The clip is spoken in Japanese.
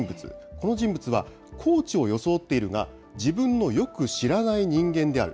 この人物はコーチを装っているが、自分のよく知らない人間である。